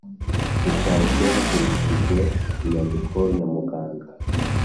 dutanzwe hakurikijwe inyandiko ya muganga